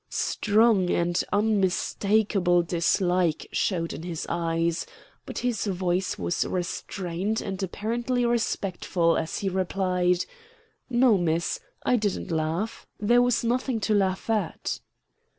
Strong and unmistakable dislike showed in his eyes, but his voice was restrained and apparently respectful as he replied: "No, Miss. I didn't laugh. There was nothing to laugh at."